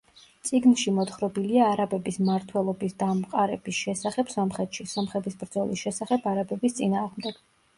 წიგნში მოთხრობილია არაბების მართველობის დამყარების შესახებ სომხეთში, სომხების ბრძოლის შესახებ არაბების წინააღმდეგ.